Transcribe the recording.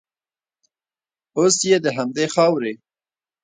اوس یې د همدې خاورې